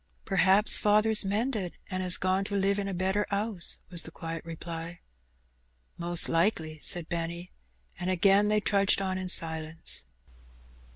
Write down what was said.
"P'r'aps father's mended, and 'as gone to live in a better 'ouse," was the quiet reply. "Mos' likely," said Benny, and again they trudged on in silence.